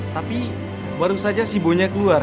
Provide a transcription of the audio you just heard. tapi baru saja si bonya keluar